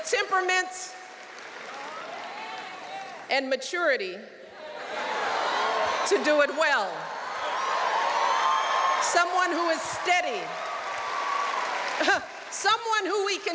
คนที่เราเชื่อมกับสิ่งที่มีราคา